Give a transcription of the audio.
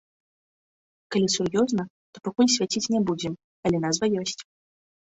Калі сур'ёзна, то пакуль свяціць не будзем, але назва ёсць.